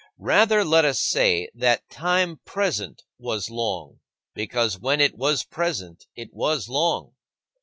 Rather, let us say that "time present was long, because when it was present it was long."